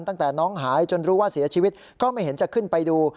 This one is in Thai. ตั้งแต่น้องหายจนรู้ว่าเสียชีวิตก็ไม่เห็นจะขึ้นไปดู